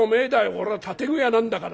俺は建具屋なんだから」。